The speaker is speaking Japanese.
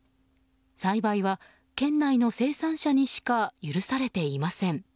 栽培は県内の生産者にしか許されていません。